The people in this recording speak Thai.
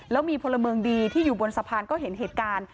แล้วมีพลเมืองดีที่อยู่บนสะพานก็เห็นเหตุการณ์